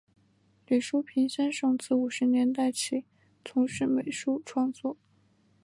李叔平先生自五十年代起从事美术创作。